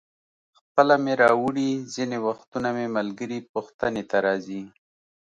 خپله مې راوړي، ځینې وختونه مې ملګري پوښتنې ته راځي.